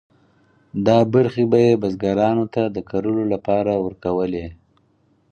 دا برخې به یې بزګرانو ته د کرلو لپاره ورکولې.